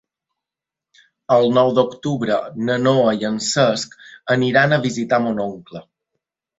El nou d'octubre na Noa i en Cesc aniran a visitar mon oncle.